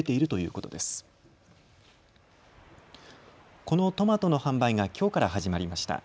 このトマトの販売がきょうから始まりました。